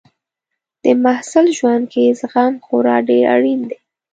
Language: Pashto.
د محصل ژوند کې زغم خورا ډېر اړین دی.